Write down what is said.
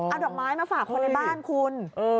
เอาดอกไม้มาฝากคนในบ้านคุณ